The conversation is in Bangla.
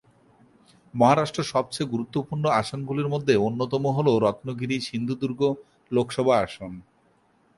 মহারাষ্ট্র সবচেয়ে গুরুত্বপূর্ণ আসনগুলির মধ্যে অন্যতম হল রত্নগিরি-সিন্ধুদুর্গ লোকসভা আসন।